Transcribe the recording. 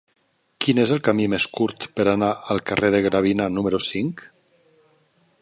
Quin és el camí més curt per anar al carrer de Gravina número cinc?